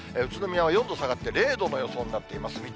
宇都宮は４度下がって０度の予想になっています。